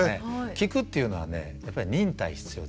聞くっていうのはねやっぱり忍耐必要です。